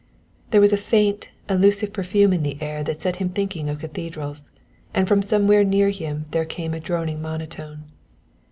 There was a faint, elusive perfume in the air that set him thinking of cathedrals, and from somewhere near him there came a droning monotone.